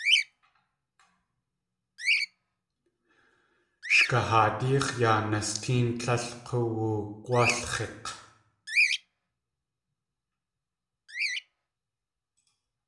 Sh kahaadíx̲ yaa nastéen tlél k̲uwugwálx̲ik̲.